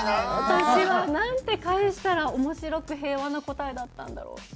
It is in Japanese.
私はなんて返したら面白く平和な答えだったんだろうって。